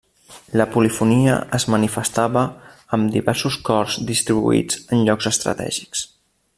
La polifonia es manifestava amb diversos cors distribuïts en llocs estratègics.